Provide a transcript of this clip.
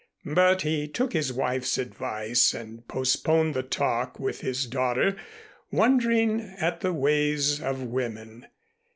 But he took his wife's advice and postponed the talk with his daughter, wondering at the ways of women.